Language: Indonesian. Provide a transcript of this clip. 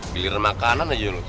bilir makanan aja loh